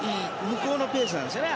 向こうのペースなんですね